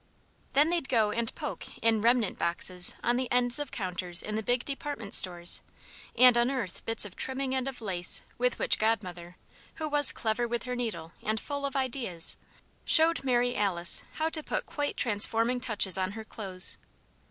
Then they'd go and "poke" in remnant boxes on the ends of counters in the big department stores, and unearth bits of trimming and of lace with which Godmother, who was clever with her needle and "full of ideas," showed Mary Alice how to put quite transforming touches on her clothes.